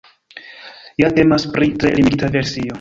Ja temas pri tre limigita versio.